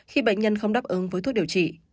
khi bệnh nhân không đáp ứng với thuốc điều trị